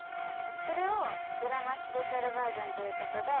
それをドラマスペシャルバージョンということで。